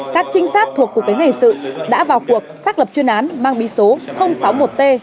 các trinh sát thuộc cục cảnh sự đã vào cuộc xác lập chuyên án mang bí số sáu mươi một t